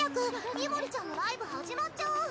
ミモリちゃんのライブ始まっちゃう！